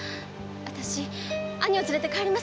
私兄を連れて帰りますので。